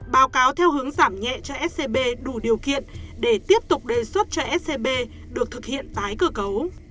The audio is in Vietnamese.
báo cáo theo hướng giảm nhẹ cho scb đủ điều kiện để tiếp tục đề xuất cho scb được thực hiện tái cơ cấu